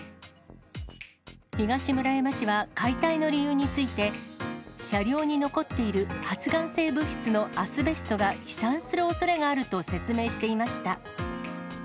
東村山市は解体の理由について、車両に残っている発がん性物質のアスベストが飛散するおそれがあると説明していました。